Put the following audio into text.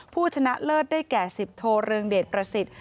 ผู้ชนะเลิศได้แก่๑๐โทเรืองเดชประสิทธิ์